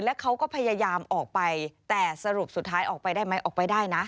แล้วเขาก็พยายามออกไปแต่สรุปสุดท้ายออกไปได้ไหมออกไปได้นะ